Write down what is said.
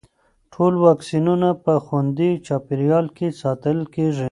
ټول واکسینونه په خوندي چاپېریال کې ساتل کېږي.